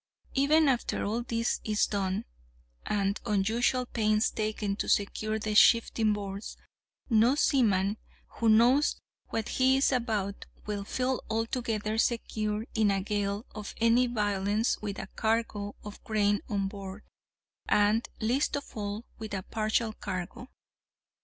Even after all this is done, and unusual pains taken to secure the shifting boards, no seaman who knows what he is about will feel altogether secure in a gale of any violence with a cargo of grain on board, and, least of all, with a partial cargo.